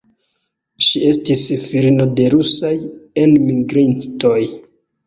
Ŝi estis filino de rusaj enmigrintoj.